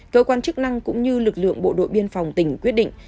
cơ quan chức năng cũng như lực lượng bộ đội biên phòng tỉnh quyết định